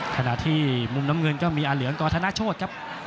ขณะที่มุมน้ำเงินก็มีอาเหลืองกอธนโชธครับ